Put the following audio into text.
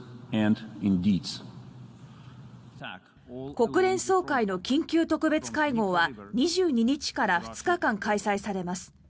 国連総会の緊急特別会合は２２日から２日間開催されます。